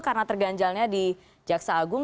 karena terganjalnya di jaksa agung